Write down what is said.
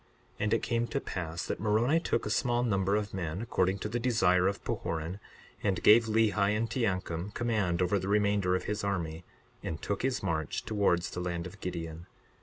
62:3 And it came to pass that Moroni took a small number of men, according to the desire of Pahoran, and gave Lehi and Teancum command over the remainder of his army, and took his march towards the land of Gideon.